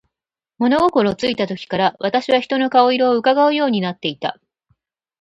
物心ついた時から、私は人の顔色を窺うようになっていた。